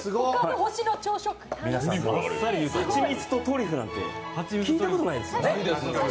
蜂蜜とトリュフなんて、聞いたことないですよね。